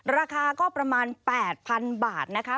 ราคาก็ประมาณ๘๐๐๐บาทนะคะ